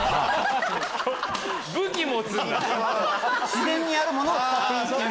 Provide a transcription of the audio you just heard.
自然にあるものは使っていい。